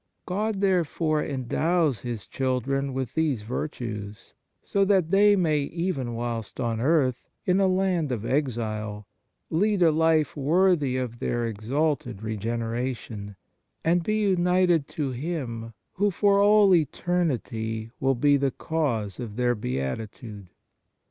God therefore endows His children with these virtues, so that they may even whilst on earth, in a land of exile, lead a life worthy of their exalted regeneration, and be united to Him who for all eternity will be the Cause of their beatitude.